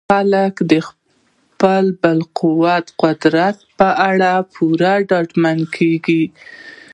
خلک د خپل بالقوه قدرت په اړه پوره ډاډمن کیږي.